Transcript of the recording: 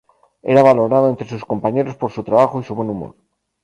Era valorado entre sus compañeros por su trabajo y su buen humor.